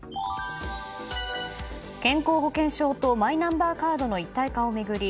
健康保険証とマイナンバーカードの一体化を巡り